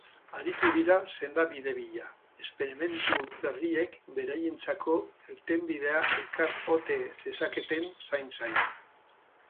Aritu dira sendabide bila, esperimentu berriek beraientzako irtenbidea ekar ote zezaketen zain-zain.